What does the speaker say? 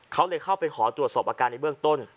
เขาเลยเข้าไปขอตรวจสอบอาการในเบื้องต้น